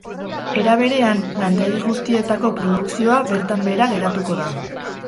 Era berean, lantegi guztietako produkzioa bertan behera geratuko da.